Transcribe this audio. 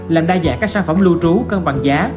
làm đa dạng các sản phẩm lưu trú cân bằng giá